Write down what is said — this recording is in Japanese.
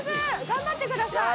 頑張ってください。